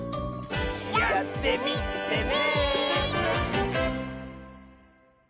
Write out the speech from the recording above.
やってみてね！